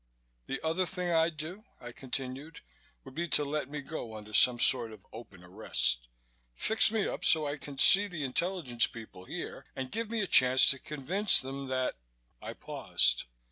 "The other thing I'd do," I continued, "would be to let me go under some sort of open arrest. Fix me up so I can see the intelligence people here and give me a chance to convince them that " I paused.